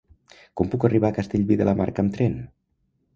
Com puc arribar a Castellví de la Marca amb tren?